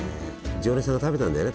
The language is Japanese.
常連さんが食べたんだよね